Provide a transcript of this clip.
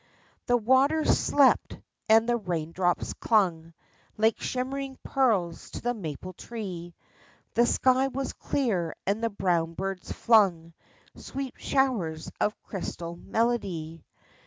The waters slept and the raindrops clung Like shimmering pearls to the maple tree ; The sky was clear and the brown birds flung Sweet showers of crystal melody.